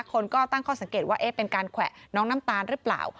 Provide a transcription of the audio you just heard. คนก็ตั้งข้อสังเกตว่าเป็นการแขวะน้องน้ำตาลหรือเปล่า